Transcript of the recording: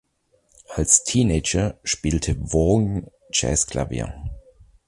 Als Teenager spielte Vaughn Jazzklavier.